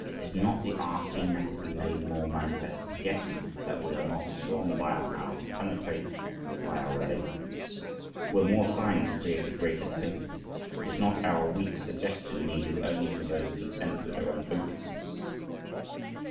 Is not the asking that it be made more manifest forgetting that "we are not strong by our power to penetrate, but by our relatedness?" Will more signs create a greater sympathy? Is not our weak suggestion needed only for those content with their own hopelessness?